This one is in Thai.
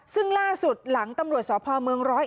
ซึ่งล่าสุดหลังตำรวจสพเมือง๑๐๑